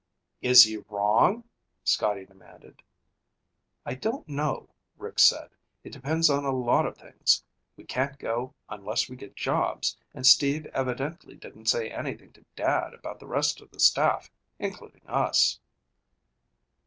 "Is he wrong?" Scotty demanded. "I don't know," Rick said. "It depends on a lot of things. We can't go unless we get jobs, and Steve evidently didn't say anything to Dad about the rest of the staff, including us."